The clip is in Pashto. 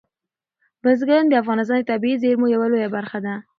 بزګان د افغانستان د طبیعي زیرمو یوه لویه برخه ده.